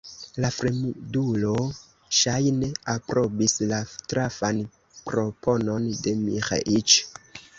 La fremdulo, ŝajne, aprobis la trafan proponon de Miĥeiĉ.